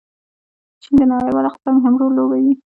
چین د نړیوال اقتصاد مهم رول لوبوي.